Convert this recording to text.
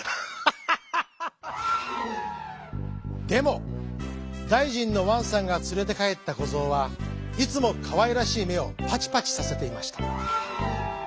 でもだいじんのワンさんがつれてかえったこぞうはいつもかわいらしいめをパチパチさせていました。